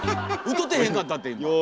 歌てへんかったって今。